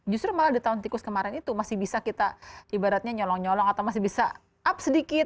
justru malah di tahun tikus kemarin itu masih bisa kita ibaratnya nyolong nyolong atau masih bisa up sedikit